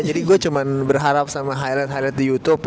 jadi gue cuman berharap sama highlight highlight di youtube